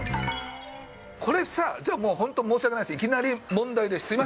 これさ、じゃあ本当、申し訳ないけど、いきなり問題です。